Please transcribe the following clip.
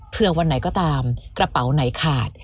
เพื่อวันไหนก็ตามกระเป๋าไหนขาด